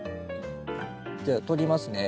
じゃあ取りますね。